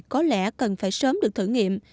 có lẽ cần phải sớm được thử nghiệm